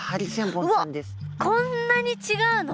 うわっこんなに違うの？